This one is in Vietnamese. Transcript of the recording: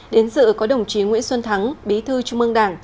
đến dự có đồng chí nguyễn xuân thắng bí thư trung ương đảng